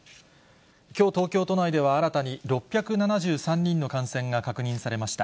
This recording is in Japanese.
きょう、東京都内では新たに６７３人の感染が確認されました。